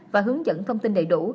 và hướng dẫn thông tin đầy đủ